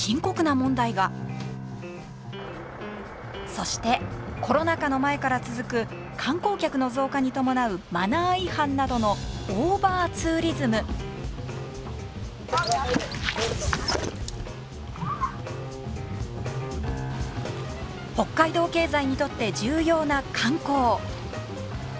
そしてコロナ禍の前から続く観光客の増加に伴うマナー違反などの北海道経済にとって重要な観光。